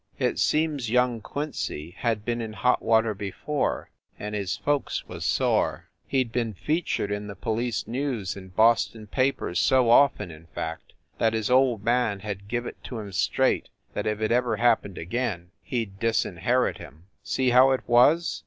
It seems young Quincy had been in hot water be fore and his folks was sore. He d been featured in the police news in Boston papers so often, in fact, that his old man had give it to him straight that if it ever happened again he d disinherit him. See how it was?